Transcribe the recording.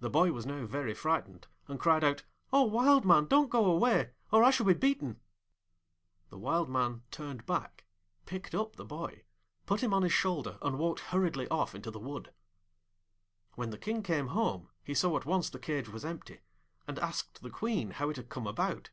The boy was now very frightened, and cried out, 'O Wild Man, don't go away, or I shall be beaten!' The Wild Man turned back, picked up the boy, put him on his shoulder, and walked hurriedly off into the wood. When the King came home he saw at once the cage was empty, and asked the Queen how it had come about.